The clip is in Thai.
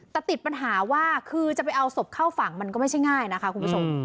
แต่ติดปัญหาว่าคือจะไปเอาศพเข้าฝั่งมันก็ไม่ใช่ง่ายนะคะคุณผู้ชม